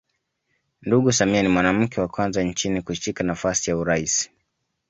Ndugu Samia ni mwanamke wa kwanza nchini kushika nafasi ya urais